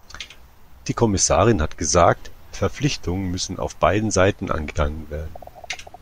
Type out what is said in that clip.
Die Kommissarin hat gesagt, Verpflichtungen müssen auf beiden Seiten eingegangen werden.